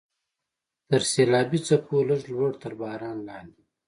تر سیلابي څپو لږ لوړ، تر باران لاندې.